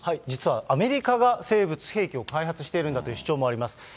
実はアメリカが生物兵器を開発しているんだという主張もあります。